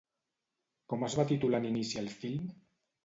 Com es va titular en inici el film?